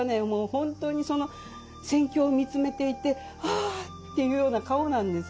本当にその戦況を見つめていて「ああ」っていうような顔なんですね。